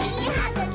ぐき！